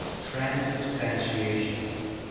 TRANSUBSTANTIATION. I.